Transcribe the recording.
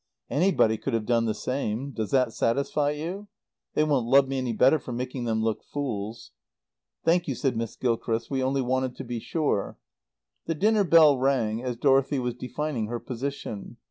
Anybody could have done the same. Does that satisfy you? (They won't love me any better for making them look fools!)" "Thank you," said Miss Gilchrist. "We only wanted to be sure." The dinner bell rang as Dorothy was defining her position.